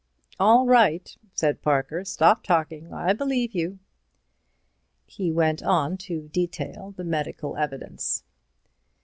"All right," said Parker, "stop talking. I believe you." He went on to detail the medical evidence.